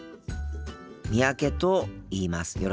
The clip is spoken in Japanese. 三宅と言います。